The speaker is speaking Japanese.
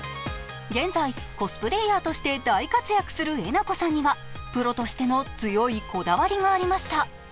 現在、コスプレーヤーとして大活躍するえなこさんにはプロとしての強いこだわりがありました。